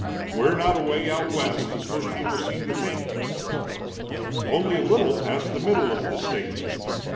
"We're not away out West, as most people seem to think," he said, "only a little past the middle of the state.